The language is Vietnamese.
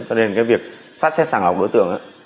cho nên cái việc sát xét sàng lọc đối tượng